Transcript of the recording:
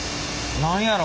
何やろ？